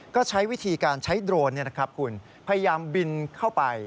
ก็ใช้วิธีการใช้โดรนคุณพยายามบินเข้าไป